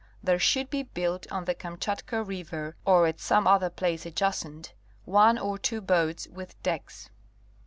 There should be built on the Kamchatka [River], or at some other place adjacent, one or two boats with decks.